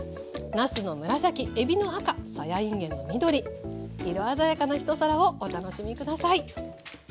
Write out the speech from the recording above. なすの紫えびの赤さやいんげんの緑色鮮やかな一皿をお楽しみ下さい。